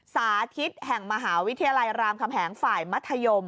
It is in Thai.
สาธิตแห่งมหาวิทยาลัยรามคำแหงฝ่ายมัธยม